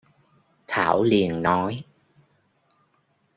Thảo liền nói